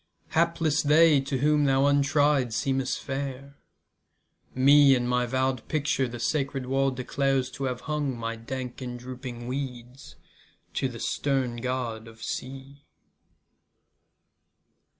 Hapless they To whom thou untry'd seem'st fair. Me in my vow'd Picture the sacred wall declares t' have hung My dank and dropping weeds To the stern God of Sea.